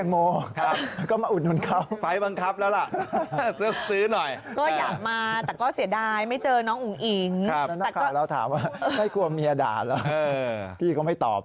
โมแล้ว๑๕สนใจมาก